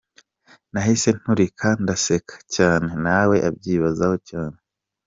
Nahise nturika ndaseka cyane, nawe abyibazaho cyane.